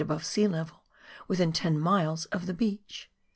above sea level, within ten miles of the beach.